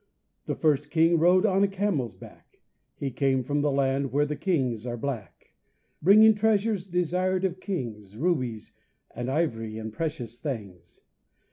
The first king rode on a camel's back, He came from the land where the kings are black, Bringing treasures desired of kings, Rubies and ivory and precious things.